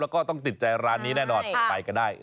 แล้วก็ต้องติดใจร้านนี้แน่นอนไปกันได้